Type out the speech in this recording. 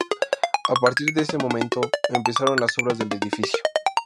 A partir de ese momento empezaron las obras del edificio.